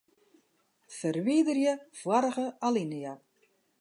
Ferwiderje foarige alinea.